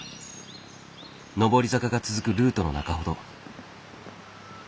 上り坂が続くルートの中ほど。